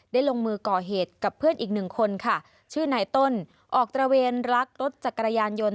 ลงมือก่อเหตุกับเพื่อนอีกหนึ่งคนค่ะชื่อนายต้นออกตระเวนรักรถจักรยานยนต์